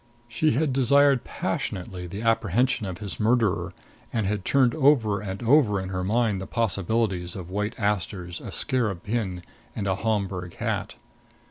She had desired passionately the apprehension of his murderer, and had turned over and over in her mind the possibilities of white asters, a scarab pin and a Homburg hat.